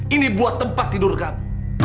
ini buat tempat tidur kami